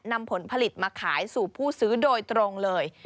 นำผลผลิตมาขายสู่ผู้ซื้อโดยตรงเลย